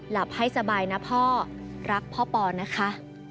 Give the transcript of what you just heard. หลับให้สบายนะพ่อรักพ่อปอนะคะ